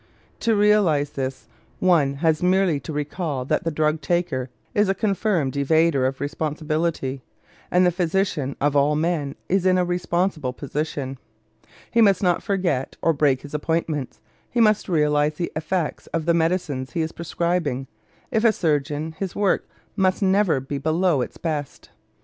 To realize this, one has merely to recall that the drug taker is a confirmed evader of responsibility; and the physician, of all men, is in a responsible position. He must not forget or break his appointments; he must realize the effects of the medicines he is prescribing; if a surgeon, his work must never be below its best.